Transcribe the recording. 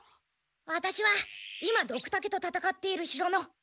ワタシは今ドクタケと戦っている城の若殿だ。